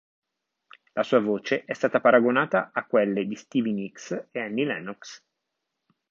La sua voce è stata paragonata a quelle di Stevie Nicks e Annie Lennox.